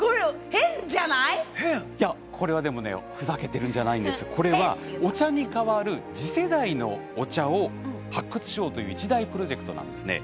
これは、でもふざけているんじゃなくてお茶に代わる次世代のお茶を発掘しようという一大プロジェクトなんです。